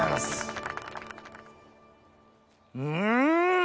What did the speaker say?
うん。